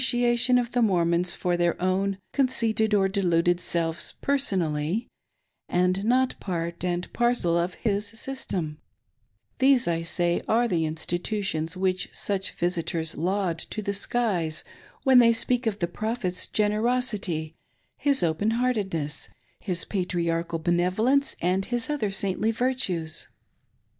ciation of the Mormons for their own conceited or deluded selves personally, and not part and parcel of his system: — these^ I Say, are the mstitutions which such visitors laud to the skies when they speak of the Prophet's generosity, his open heartedness, his patriarchal benevolence, and his other saintly virtues.